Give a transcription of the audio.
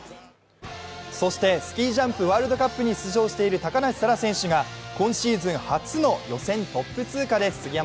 スキージャンプ・ワールドカップに出場している高梨沙羅選手が今シーズン初の予選トップ通過です。